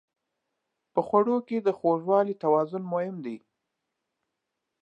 په خوړو کې د خوږوالي توازن مهم دی.